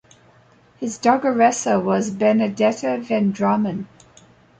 His dogaressa was Benedetta Vendramin.